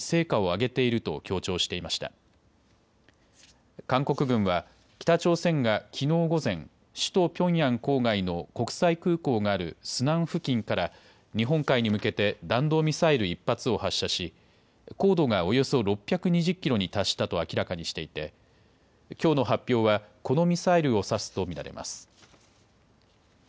韓国軍は北朝鮮がきのう午前、首都ピョンヤン郊外の国際空港があるスナン付近から日本海に向けて弾道ミサイル１発を発射し高度がおよそ６２０キロに達したと明らかにしていてきょうの発表は、このミサイルを指すと見られます。